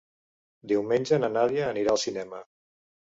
Diumenge na Nàdia anirà al cinema.